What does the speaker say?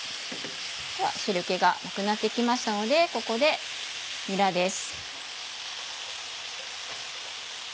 では汁気がなくなって来ましたのでここでにらです。